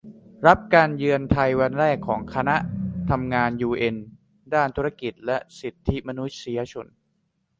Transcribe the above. รับการเยือนไทยวันแรกของคณะทำงานยูเอ็นด้านธุรกิจและสิทธิมนุษยชน